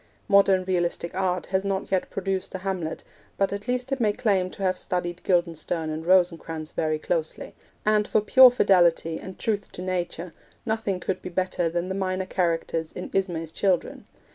Modern realistic art has not yet produced a Hamlet, but at least it may claim to have studied Guildenstern and Rosencrantz very closely; and, for pure fidelity and truth to nature, nothing could be better than the minor characters in Ismay's Children.